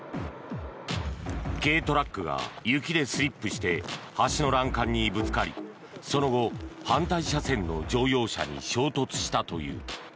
軽トラックが雪でスリップして橋の欄干にぶつかりその後、反対車線の乗用車に衝突したという。